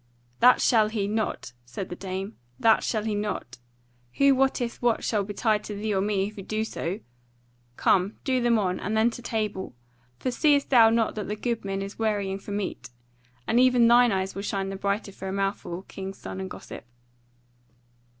"That shall he not," said the dame, "that shall he not. Who wotteth what shall betide to thee or me if he do so? Come, do them on, and then to table! For seest thou not that the goodman is wearying for meat? and even thine eyes will shine the brighter for a mouthful, king's son and gossip."